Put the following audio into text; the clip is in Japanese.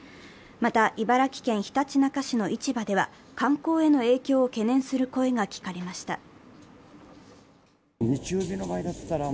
また、茨城県ひたちなか市の市場では観光への影響を懸念する声が聞かれました。